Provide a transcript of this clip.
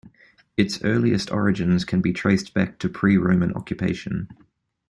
Its earliest origins can be traced back to pre-Roman occupation.